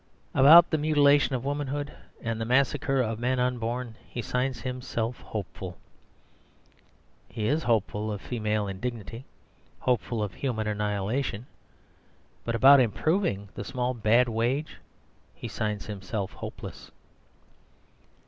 About the mutilation of womanhood, and the massacre of men unborn, he signs himself "Hopeful." He is hopeful of female indignity, hopeful of human annihilation. But about improving the small bad wage he signs himself "Hopeless."